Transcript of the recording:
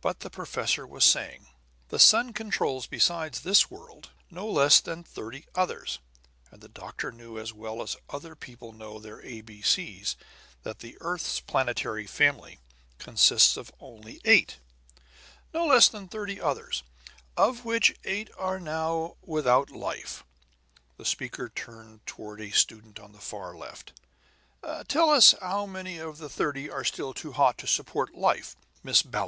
But the professor was saying: "The sun controls, besides this world, no less than thirty others" and the doctor knew, as well as other people know their A B C's, that the earth's planetary family consists of only eight "no less than thirty others, of which eight are now without life." The speaker turned toward a student on the far left. "Tell us how many of the thirty are still too hot to support life, Miss Ballens."